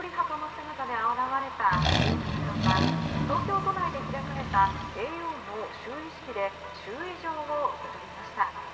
姿で現れた藤井七冠は東京都内で開かれた叡王の就位式で就位状を受け取りました。